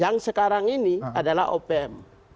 yang sekarang ini adalah opm